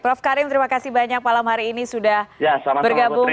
prof karim terima kasih banyak malam hari ini sudah bergabung